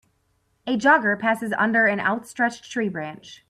A jogger passes under an outstretched tree branch.